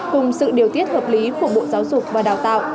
cùng sự điều tiết hợp lý của bộ giáo dục và đào tạo